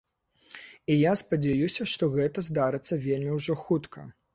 І я спадзяюся, што гэта здарыцца вельмі ўжо хутка.